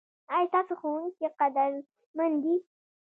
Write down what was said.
ایا ستاسو ښوونکي قدرمن دي؟